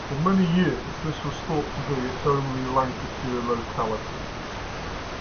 For many years this was thought to be its only Lancashire locality.